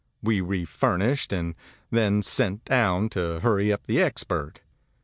We refurnished, and then sent down to hurry up the expert.